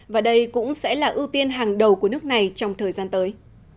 và đây cũng sẽ là ưu tiên hàng đầu của nước này trong thời gian tới